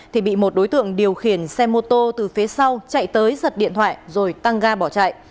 thì bị một đối tượng điều khiển xe mô tô từ phía sau chạy tới giật điện thoại rồi tăng ga bỏ chạy